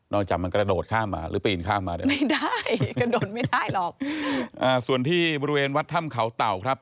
จากมันกระโดดข้ามมาหรือปีนข้ามมาเนี่ยไม่ได้กระโดดไม่ได้หรอกอ่าส่วนที่บริเวณวัดถ้ำเขาเต่าครับ